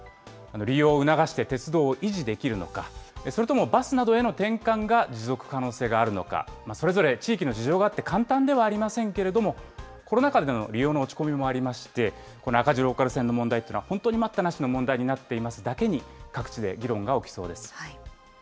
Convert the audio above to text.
利用を促して鉄道を維持できるのか、それともバスなどへの転換が持続可能性があるのか、それぞれ地域の事情があって、簡単ではありませんけれども、コロナ禍での利用の落ち込みもありまして、この赤字ローカル線の問題っていうのは、本当に待ったなしの問題になっているだけに、各地で議論が起きそうです。